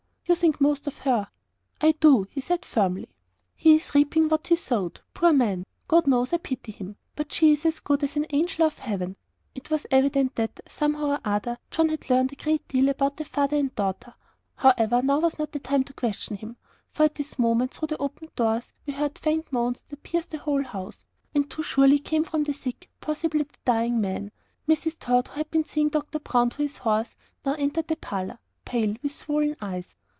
"You think most of her." "I do," said he, firmly. "He is reaping what he sowed, poor man! God knows I pity him. But she is as good as an angel of heaven." It was evident that, somehow or other, John had learnt a great deal about the father and daughter. However, now was not the time to question him. For at this moment, through the opened doors, we heard faint moans that pierced the whole house, and too surely came from the sick possibly, the dying man. Mrs. Tod, who had been seeing Dr. Brown to his horse, now entered our parlour pale, with swollen eyes.